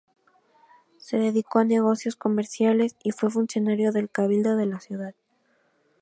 Se dedicó a negocios comerciales y fue funcionario del Cabildo de la ciudad.